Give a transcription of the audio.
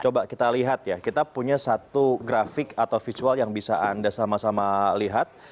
coba kita lihat ya kita punya satu grafik atau visual yang bisa anda sama sama lihat